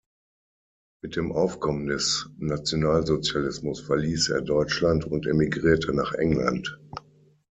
Mit dem Aufkommen des Nationalsozialismus verließ er Deutschland und emigrierte nach England.